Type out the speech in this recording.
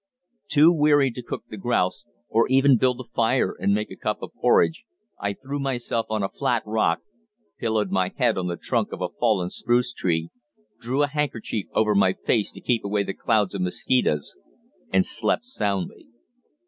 Too weary to cook the grouse, or even build a fire and make a cup of porridge, I threw myself on a flat rock, pillowed my head on the trunk of a fallen spruce tree, drew a handkerchief over my face to keep away the clouds of mosquitoes, and slept soundly.